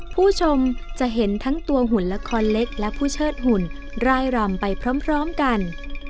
ผู้ชมจะเห็นทั้งตัวหุ่นละครเล็กและผู้เชิดหุ่นร่ายรำไปพร้อมกัน